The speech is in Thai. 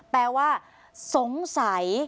แปลว่าสงสัย